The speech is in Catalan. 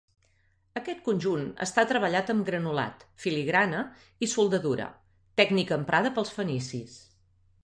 Aquest conjunt està treballat amb granulat, filigrana i soldadura, tècnica emprada pels fenicis.